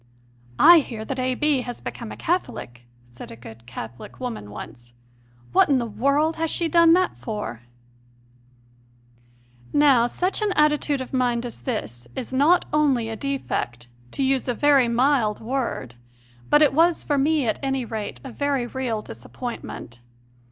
"I hear that A. B. has become a Cath olic," said a good Catholic woman once. "What in the world has she done that for?" 144 CONFESSIONS OF A CONVERT 5 f Now such an attitude of mind as this is not only a defect to use a very mild word but it was, for me at any rate, a very real disappointment.